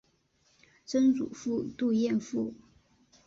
曾祖父杜彦父。